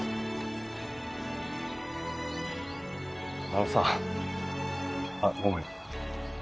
あのさあっごめん。